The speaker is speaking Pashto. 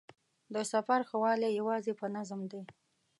د سفر ښه والی یوازې په نظم دی.